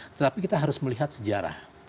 tetapi kita harus melihat sejarah